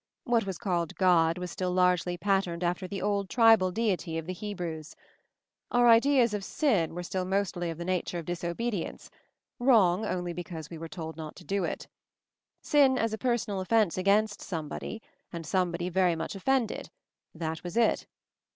What was called God was still largely patterned after the old tribal deity of the Hebrews. Our ideas of 'Sin' were still mostly of the nature of disobe dience — wrong only because we were told not to do it. Sin as a personal offence against Somebody, and Somebody very much offend ed; that was it.